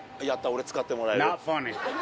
俺使ってもらえる。